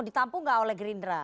itu ditampung gak oleh gerindra